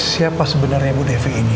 siapa sebenarnya bu devi ini